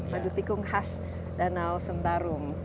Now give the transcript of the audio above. madu tikung khas danau sentarung